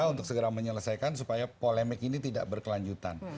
untuk segera menyelesaikan supaya polemik ini tidak berkelanjutan